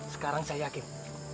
sekarang saya yakin